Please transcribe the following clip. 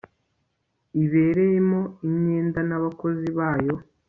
ibereyemo imyenda n abakozi bayo